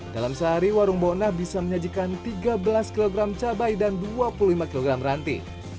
dalam sehari warung bona bisa menyajikan tiga belas kg cabai dan dua puluh lima kg ranti